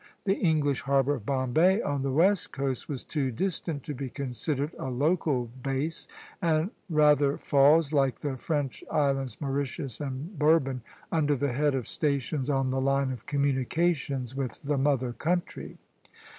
The English harbor of Bombay on the west coast was too distant to be considered a local base, and rather falls, like the French islands Mauritius and Bourbon, under the head of stations on the line of communications with the mother country.